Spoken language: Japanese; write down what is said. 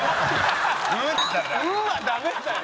「うん！？」はダメだよ。